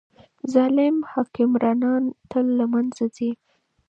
ظالم حکمرانان تل له منځه ځي.